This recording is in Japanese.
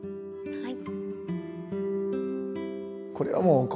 はい。